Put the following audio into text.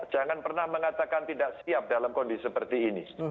jangan pernah mengatakan tidak siap dalam kondisi seperti ini